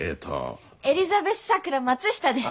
エリザベス・さくら・松下です。